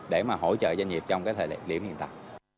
để mà hỗ trợ doanh nghiệp trong cái thời điểm hiện tại